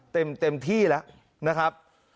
เต็มที่แล้ว